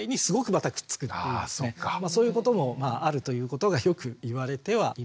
そういうこともあるということがよくいわれてはいます。